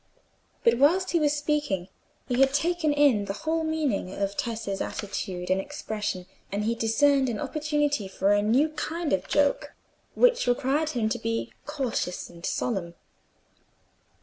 But whilst he was speaking, he had taken in the whole meaning of Tessa's attitude and expression, and he discerned an opportunity for a new kind of joke which required him to be cautious and solemn.